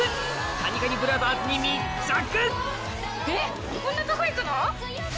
カニカニブラザーズに密着！